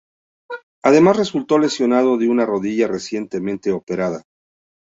Además resultó lesionado de una rodilla recientemente operada.